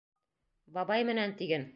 Бабай менән тиген.